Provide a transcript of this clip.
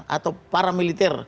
atau para militer